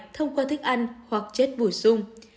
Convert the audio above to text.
thông qua thức ăn hoặc chất bổ sung